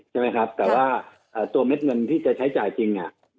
แต่ว่าตัวเม็ดเงินที่จะใช้จ่ายจริง